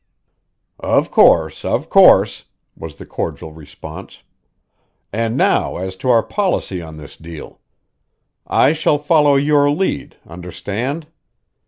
"Of course, of course!" was the cordial response. "And now as to our policy on this deal. I shall follow your lead, understand.